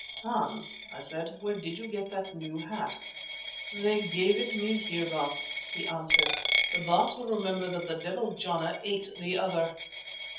"Hans," I said, "where did you get that new hat?" "They gave it me here, Baas," he answered. "The Baas will remember that the devil Jana ate the other."